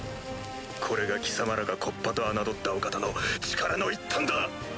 これが貴様らが木っ端と侮ったお方の力の一端だ！